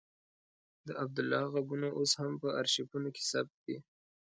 د عبدالله غږونه اوس هم په آرشیفونو کې ثبت دي.